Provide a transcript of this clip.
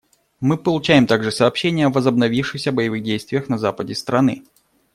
Мы получаем также сообщения о возобновившихся боевых действиях на западе страны.